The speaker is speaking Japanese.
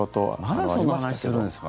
まだその話するんですか？